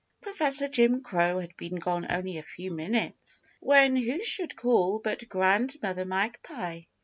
Professor Jim Crow had been gone only a few minutes when who should call but Grandmother Magpie.